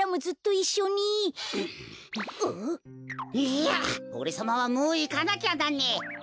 いやおれさまはもういかなきゃなんねえ。